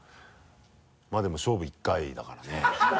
まぁでも勝負１回だからね。